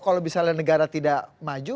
kalau misalnya negara tidak maju